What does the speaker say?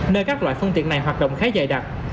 nơi các loại phương tiện này hoạt động khá dài đặt